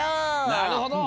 なるほど！